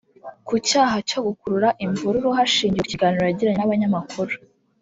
ku cyaha cyo gukurura imvururu hashingiwe ku kiganiro yagiranye n’abanyamakuru